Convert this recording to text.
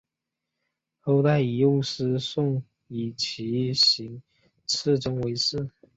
后代以右师戊以其行次仲为氏。